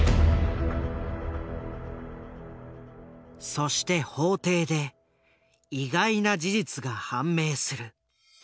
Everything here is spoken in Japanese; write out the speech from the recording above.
そして法廷で意外な事実が判明する。